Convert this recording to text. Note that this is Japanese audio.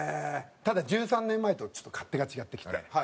ただ１３年前とちょっと勝手が違ってきて。